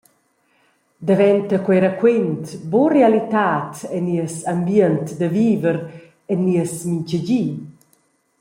Daventa quei raquent buca realitad en nies ambient da viver, en nies mintgadi?